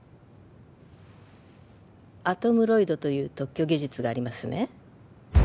アトムロイドという特許技術がありますね